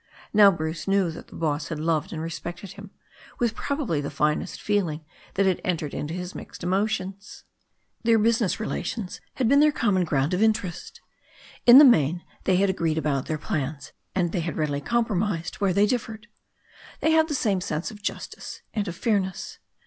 Now Bruce knew that the boss had loved and respected him with probably the finest feeling that had entered into his mixed emotions. Their business relations had been their common ground of interest. In the main they had agreed about their plans, and they had readily compromised where they differed. They had the same sense of justice and of fairness.